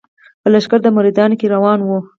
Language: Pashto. په لښکر د مریدانو کي روان وو